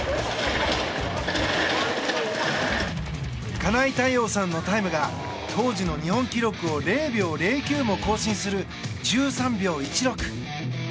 金井大旺さんのタイムが当時の日本記録を０秒０９も更新する１３秒１６。